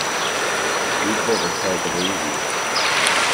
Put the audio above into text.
You'd better take it easy.